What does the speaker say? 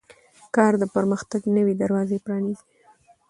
کار د پرمختګ نوې دروازې پرانیزي